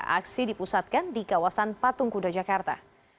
aksi dipusatkan di kawasan patung kuda jakarta